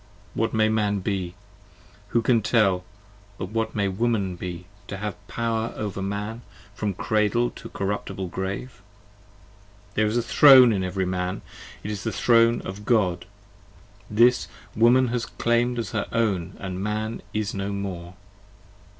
25 What may Man be? who can tell! but what may Woman be, To have power over Man from Cradle to corruptible Grave ? There is a Throne in every Man, it is the Throne of God, This Woman has claim'd as her own & Man is no more!